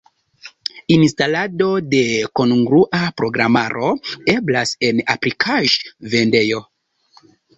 Instalado de kongrua programaro eblas en aplikaĵ-vendejo.